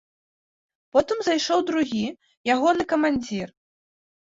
Потым зайшоў другі, ягоны камандзір.